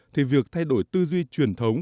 thì việc thay đổi tư duy truyền thống